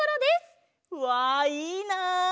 うわいいなあ！